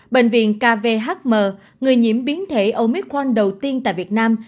bệnh viện kvhm người nhiễm biến thể omicron đầu tiên tại việt nam